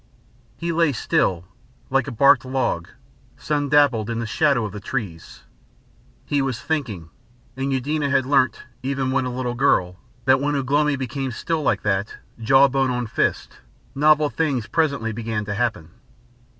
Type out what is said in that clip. He lay still, like a barked log, sun dappled, in the shadow of the trees. He was thinking. And Eudena had learnt, even when a little girl, that when Ugh lomi became still like that, jaw bone on fist, novel things presently began to happen.